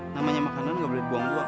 namanya makanan gak boleh dibuang buang